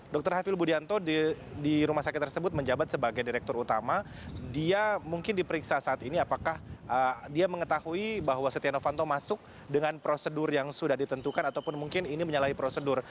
dr hafil budianto di rumah sakit tersebut menjabat sebagai direktur utama dia mungkin diperiksa saat ini apakah dia mengetahui bahwa setia novanto masuk dengan prosedur yang sudah ditentukan ataupun mungkin ini menyalahi prosedur